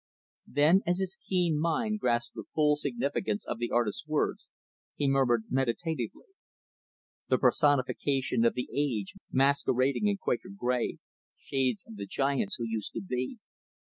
Then, as his keen mind grasped the full significance of the artist's words, he murmured meditatively, "The personification of the age masquerading in Quaker gray Shades of the giants who used to be!